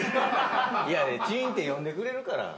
いやチンって呼んでくれるから。